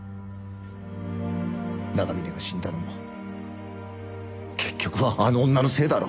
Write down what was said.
長峰が死んだのも結局はあの女のせいだろ。